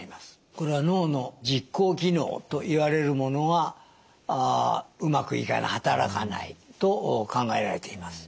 これは脳の実行機能といわれるものがうまくいかない働かないと考えられています。